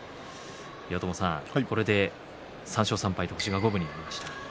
岩友さん、これで３勝３敗と星が五分になりました。